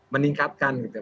meningkatkan gitu ya